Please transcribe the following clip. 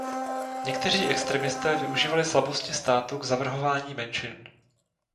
Někteří extremisté využívali slabosti státu k zavrhování menšin.